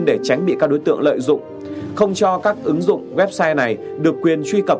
để tránh bị các đối tượng lợi dụng không cho các ứng dụng website này được quyền truy cập